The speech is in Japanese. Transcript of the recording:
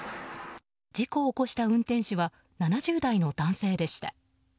事故を起こした運転手は７０代の男性でした。